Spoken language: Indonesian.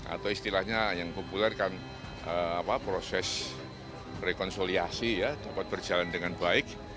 atau istilahnya yang populer kan proses rekonsiliasi ya dapat berjalan dengan baik